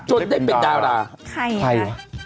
จนได้เป็นดาราใครวะ